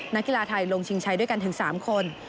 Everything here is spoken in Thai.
นักกีฬาไทยลงชิงชัยด้วยกันถึง๓คน